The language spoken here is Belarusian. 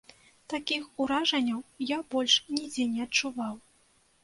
Такіх уражанняў я больш нідзе не адчуваў.